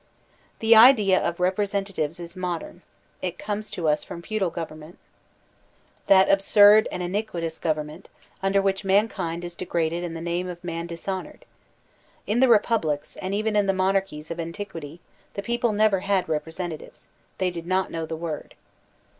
The idea of representatives is modem; it comes to us from feudal government, that absurd and iniquitous gov ernment, under which mankind is degraded and the name of man dishonored. In the republics, and even in the monarchies, of antiquity, the people never had repre sentatives; they did not know the word.